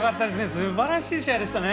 すばらしい試合でしたね。